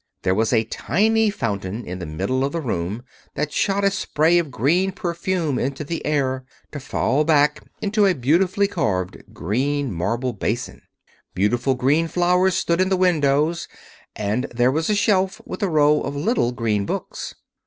There was a tiny fountain in the middle of the room, that shot a spray of green perfume into the air, to fall back into a beautifully carved green marble basin. Beautiful green flowers stood in the windows, and there was a shelf with a row of little green books.